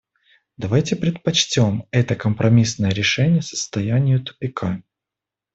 Давайте предпочтем это компромиссное решение состоянию тупика.